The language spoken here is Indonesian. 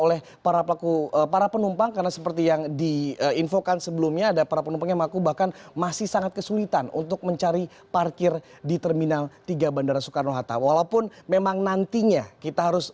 oleh para penerbangan internasional